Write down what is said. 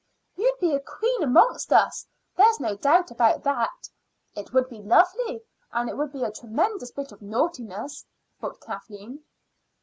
"You'd be a queen amongst us; there's no doubt about that." "It would be lovely, and it would be a tremendous bit of naughtiness," thought Kathleen.